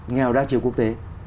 nghèo đa chiều quốc tế